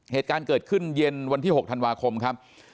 เหตุการณ์เกิดขึ้นเย็นวันที่๖ธันวาคมครับ